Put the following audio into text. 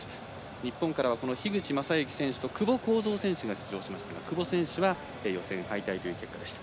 日本からは樋口政幸選手と久保恒造選手が出場しましたが、久保選手は予選敗退ということでした。